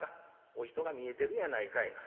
お人が見えてるやないかいな。